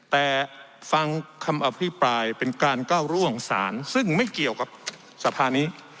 แต่ฟังคำอภิปรายเป็นการก้าวร่วงศาลซึ่งไม่เกี่ยวกับสภานี้